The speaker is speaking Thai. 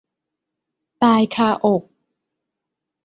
ตายคาอก